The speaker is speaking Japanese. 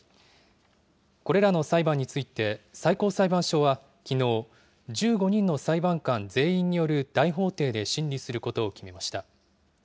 これらの裁判について、最高裁判所はきのう、１５人の裁判官全員による大法廷で審理することを決めました。